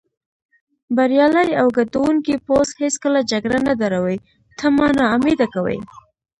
بریالی او ګټوونکی پوځ هېڅکله جګړه نه دروي، ته ما نا امیده کوې.